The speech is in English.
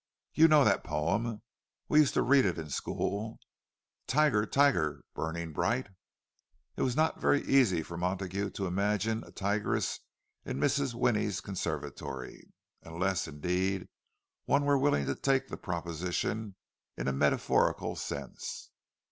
You know that poem—we used to read it in school—'Tiger, tiger, burning bright!'" It was not very easy for Montague to imagine a tigress in Mrs. Winnie's conservatory; unless, indeed, one were willing to take the proposition in a metaphorical sense.